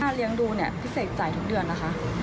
เลี้ยงดูเนี่ยพี่เสกจ่ายทุกเดือนนะคะ